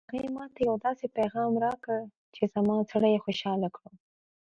هغې ما ته یو داسې پېغام راکړ چې زما زړه یې خوشحاله کړ